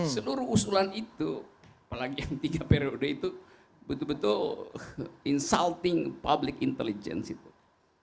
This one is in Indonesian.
seluruh usulan itu apalagi yang tiga periode itu betul betul menjadikan kecerdasan kecerdasan publik